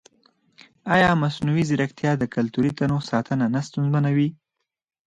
ایا مصنوعي ځیرکتیا د کلتوري تنوع ساتنه نه ستونزمنوي؟